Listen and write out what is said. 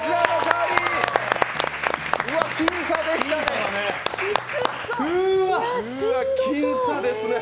うわっ、僅差でしたね。